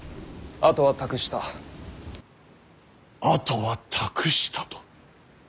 あとは託したと。